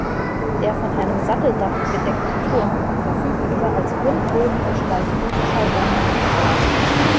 Der von einem Satteldach gedeckte Turm verfügt über als Rundbogen gestaltete Schallöffnungen.